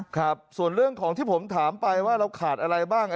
ครับส่วนเรื่องของที่ผมถามไปว่าเราขาดอะไรบ้าง